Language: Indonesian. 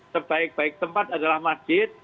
terbaik baik tempat adalah masjid